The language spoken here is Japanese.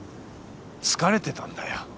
疲れてたんだよ